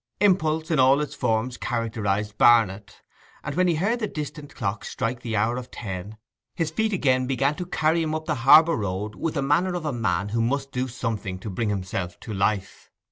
Impulse in all its forms characterized Barnet, and when he heard the distant clock strike the hour of ten his feet began to carry him up the harbour road with the manner of a man who must do something to bring himself to life.